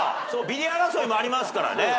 ビリ争いもありますからね。